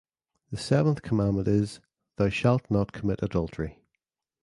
The seventh commandment is, Thou shalt not commit adultery.